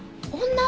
女？